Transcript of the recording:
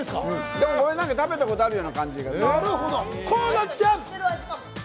でも、これ、なんか食べたことあるような感じがする。